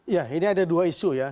ya ini ada dua isu ya